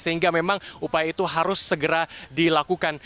sehingga memang upaya itu harus segera dilakukan